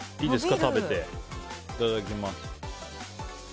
いただきます。